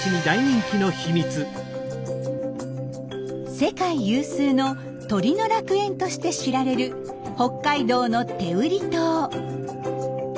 世界有数の「鳥の楽園」として知られる北海道の天売島。